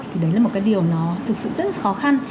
thì đấy là một cái điều nó thực sự rất là khó khăn